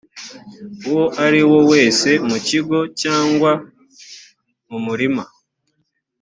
uwo ari wo wose mu kigo cyangwa mu murima